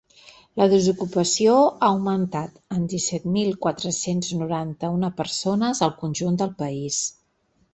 La desocupació ha augmentat en disset mil quatre-cents noranta-una persones al conjunt del país.